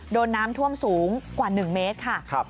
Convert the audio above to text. โดนน้ำท่วมสูงกว่า๑เมตรค่ะ